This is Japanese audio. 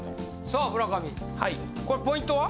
さあ村上これポイントは？